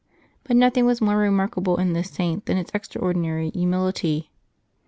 But nothing was more remarkable in this Saint than his extraordinary hu mility.